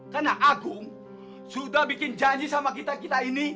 karena agung sudah bikin janji sama kita kita ini